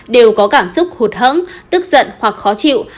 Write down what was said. đều có cảm xúc hụt hẫng tức giận hoặc khó chịu